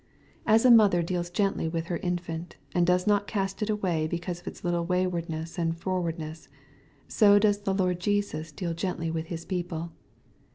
As a mother deals gently with her infant, and does not cast it away because of its little wayward ness and frowardness, so does the Lord Jesus deal gently with His people.